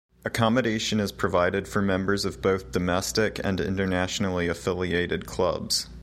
Accommodation is provided for members of both domestic and internationally affiliated clubs.